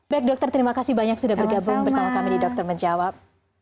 baik dokter terima kasih banyak sudah bergabung bersama kami di dokter menjawab